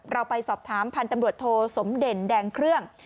เราไปสอบถามพันธุ์ตำรวจโทสมเด่นแดงเครื่อง